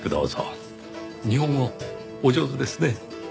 日本語お上手ですね。